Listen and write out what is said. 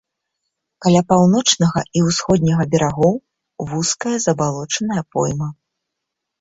Каля паўночнага і ўсходняга берагоў вузкая забалочаная пойма.